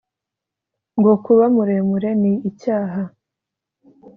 ngo kuba muremure ni icyaha